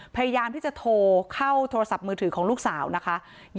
พยายามที่จะโทรเข้าโทรศัพท์มือถือของลูกสาวนะคะ